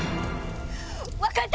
分かった！